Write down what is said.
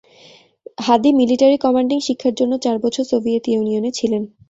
হাদি military commanding শিক্ষার জন্য চার বছর সোভিয়েত ইউনিয়নে ছিলেন।